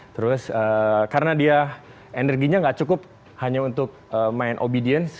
terus karena dia energinya nggak cukup hanya untuk main obedience